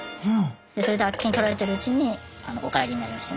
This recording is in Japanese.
それであっけにとられてるうちにお帰りになりました。